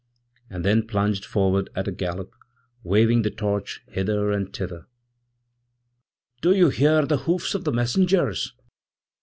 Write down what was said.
and thenplunged forward at a gallop, waving the torch hither and thither. 'Doyou hear the hoofs of the messengers?'